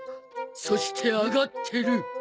そして上がってる。